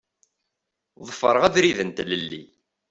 Ḍefreɣ abrid n tlelli.